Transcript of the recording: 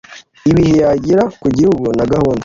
ibihe yagira ku gihugu na gahunda